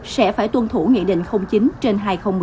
sẽ phải tuân thủ nghị định chín trên hai nghìn một mươi